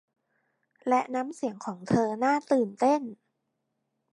และน้ำเสียงของเธอน่าตื่นเต้น